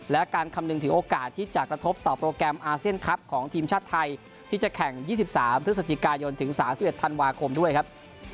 และการคำนึงถึงโอกาสที่จะกระทบต่อโปรแกรมอาเซียนคลับของทีมชาติไทยที่จะแข่ง๒๓พฤศจิกายนถึง๓๑ธันวาคมด้วยครับ